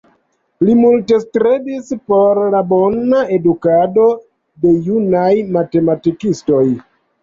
Li multe strebis por la bona edukado de junaj matematikistoj.